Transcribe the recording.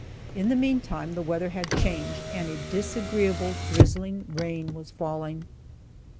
In the meantime, the weather had changed, and a disagreeable, drizzling rain was falling.